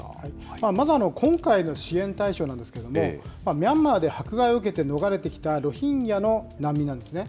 まず今回の支援対象なんですけれども、ミャンマーで迫害を受けて逃れてきたロヒンギャの難民なんですね。